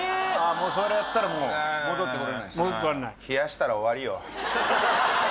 それやったらもう戻ってこれないです。